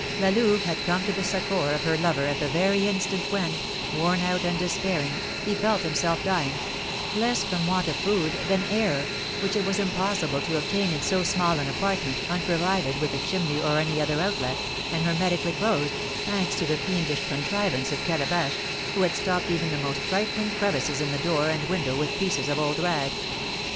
La Louve had come to the succour of her lover at the very instant when, worn out and despairing, he felt himself dying, less from want of food than air, which it was impossible to obtain in so small an apartment, unprovided with a chimney or any other outlet, and hermetically closed, thanks to the fiendish contrivance of Calabash, who had stopped even the most trifling crevices in the door and window with pieces of old rag.